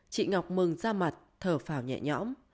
chị ngọc mừng ra mặt thở phào nhẹ nhõm